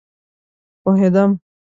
پوهيدم